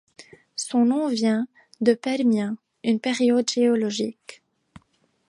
Son nom vient du Permien, une période géologique.